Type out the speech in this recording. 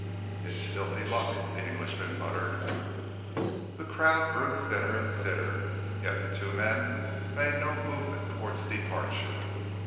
"It's filthy luck," the Englishman muttered. The crowd grew thinner and thinner, yet the two men made no movement towards departure.